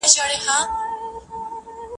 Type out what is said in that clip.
د مینې و ویاړ منظومه پیل شوې ده.